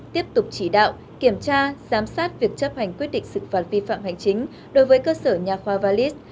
tiếp tục chỉ đạo kiểm tra giám sát việc chấp hành quyết định xử phạt vi phạm hành chính đối với cơ sở nhà khoai